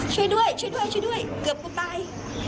ช่วยด้วยช่วยด้วยช่วยด้วยเกือบกูตาย